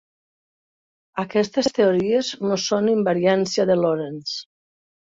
Aquestes teories no són invariància de Lorentz.